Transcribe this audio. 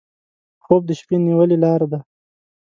خوب د شپه نیولې لاره ده